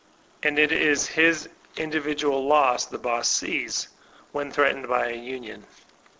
And it is his individual loss the boss sees, when threatened by a union.